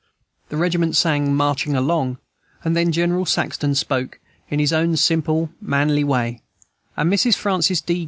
The regiment sang "Marching Along," and then General Saxton spoke, in his own simple, manly way, and Mrs. Francis D.